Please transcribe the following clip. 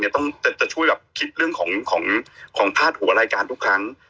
จะช่วยแบบคิดเรื่องของพาดหัวรายการทุกครั้ง